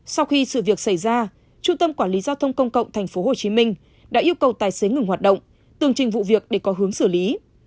sau khi sự việc xảy ra trung tâm quản lý giao thông công cộng tp hcm đã yêu cầu tài xế ngừng hoạt động tường trình vụ việc để có hướng xử lý